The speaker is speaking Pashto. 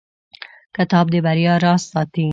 کتاب د بریا راز ساتي.